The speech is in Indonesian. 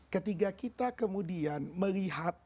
ketika kita kemudian melihat